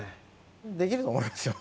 できると思いますよ。